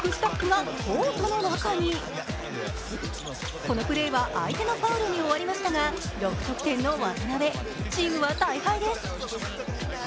このプレーは相手のファウルに終わりましたが、６得点でチームは大敗です。